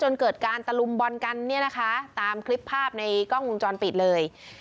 จนเกิดการตะลุมบอลกันตามคลิปภาพในกล้องมุมจรปิดเลย